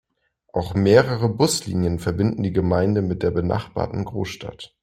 Auch mehrere Buslinien verbinden die Gemeinde mit der benachbarten Großstadt.